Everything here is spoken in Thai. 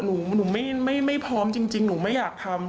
หนูไม่พร้อมจริงหนูไม่อยากทำ